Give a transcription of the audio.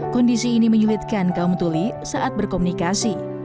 kondisi ini menyulitkan kaum tuli saat berkomunikasi